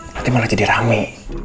nanti malah jadi rame